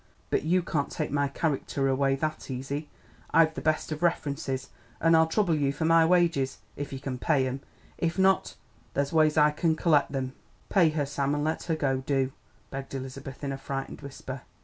But you can't take my character away that easy; I've the best of references; an' I'll trouble you for my wages if you can pay 'em. If not, there's ways I can collect 'em." "Pay her, Sam, and let her go, do!" begged Elizabeth in a frightened whisper.